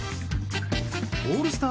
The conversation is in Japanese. オールスター